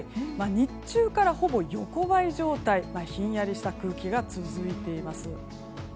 日中から、ほぼ横ばい状態ひんやりした空気が続いています。